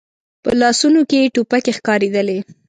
په لاسونو کې يې ټوپکې ښکارېدلې.